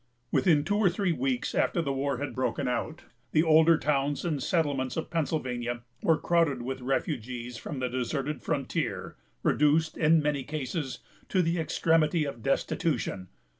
Within two or three weeks after the war had broken out, the older towns and settlements of Pennsylvania were crowded with refugees from the deserted frontier, reduced, in many cases, to the extremity of destitution.